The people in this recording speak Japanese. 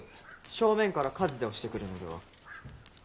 正面から数で押してくるのでは？